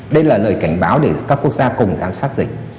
đây là lời cảnh báo để các quốc gia cùng giám sát dịch